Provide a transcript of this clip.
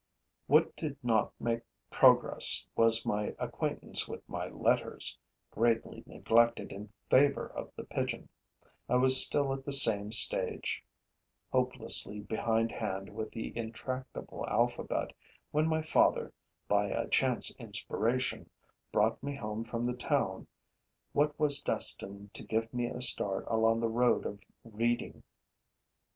What did not make progress was my acquaintance with my letters, greatly neglected in favor of the pigeon. I was still at the same stage, hopelessly behindhand with the intractable alphabet, when my father, by a chance inspiration, brought me home from the town what was destined to give me a start along the road of reading.